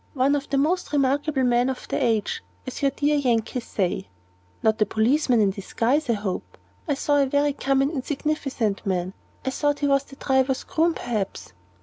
One of the most remarkable men of the age, as your dear Yankees say." "Not a policeman in disguise, I hope. I saw a very common, insignificant man. I thought he was the driver's groom, perhaps."